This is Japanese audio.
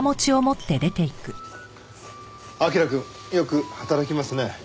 彬くんよく働きますね。